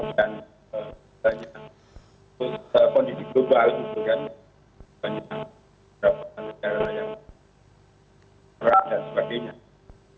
dan misalnya kondisi global juga banyak beberapa negara yang berada sepertinya